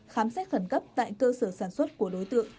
khám xét khẩn cấp tại cơ sở sản xuất của đối tượng